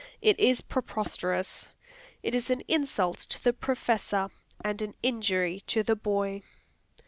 It is preposterous. It is an insult to the Professor, and an injury to the boy.